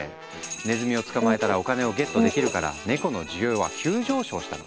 ネズミを捕まえたらお金をゲットできるからネコの需要は急上昇したの。